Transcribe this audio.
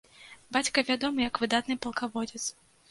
Бацька вядомы як выдатны палкаводзец.